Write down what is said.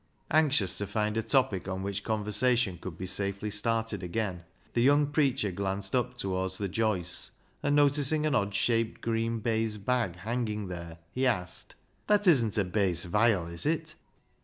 Anxious to find a topic on which conversation could be safely started again, the young preacher glanced up towards the joists, and noticing an odd shaped green baize bag hanging there, he asked —" That isn't a bass viol, is it